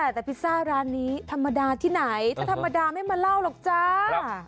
แต่พิซซ่าร้านนี้ธรรมดาที่ไหนแต่ธรรมดาไม่มาเล่าหรอกจ้า